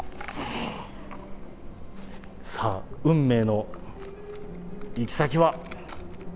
さあ、運命の行き先は。